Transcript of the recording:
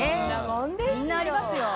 みんなありますよ。